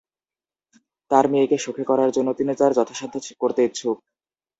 তার মেয়েকে সুখী করার জন্য তিনি তার যথাসাধ্য করতে ইচ্ছুক।